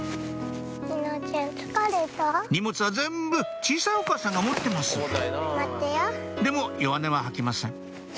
荷物は全部小さいお母さんが持ってますでも弱音は吐きません